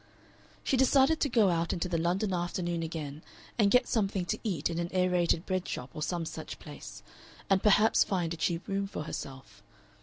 She decided to go out into the London afternoon again and get something to eat in an Aerated Bread shop or some such place, and perhaps find a cheap room for herself.